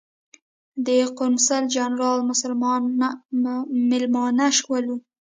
د قونسل جنرال مېلمانه شولو.